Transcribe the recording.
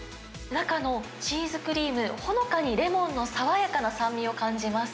中のチーズクリーム、ほのかにレモンの爽やかな酸味を感じます。